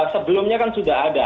sebelumnya kan sudah ada